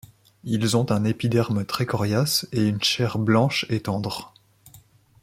Ils ont un épiderme très coriace et une chair blanche et tendre.